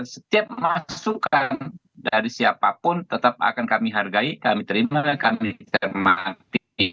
setiap masukan dari siapapun tetap akan kami hargai kami terima kami cermati